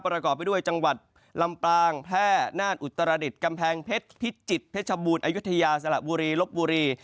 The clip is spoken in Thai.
ประกอบไปด้วยจังหวัดลำปางแพร่น่านอุตรดิษฐ์กำแพงเพชรพิจิตรเพชรบูรณ์อายุทยาสละบุรีลบบุรี